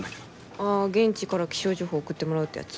ああ現地から気象情報送ってもらうってやつ？